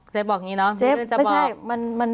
บอกอย่างนี้เนาะ